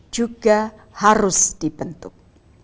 juga harus dibentuk